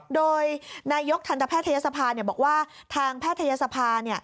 โดยนายกทันตแพทยศภาบอกว่าทางแพทยศภา